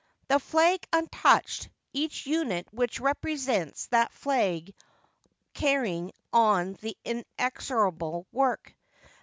The flag untouched, each unit which represents that flag carrying on the inexorable work.